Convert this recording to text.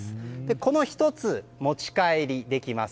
この１つ、持ち帰りできます。